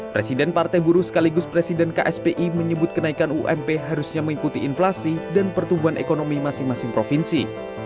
presiden partai buruh sekaligus presiden kspi menyebut kenaikan ump harusnya mengikuti inflasi dan pertumbuhan ekonomi masing masing provinsi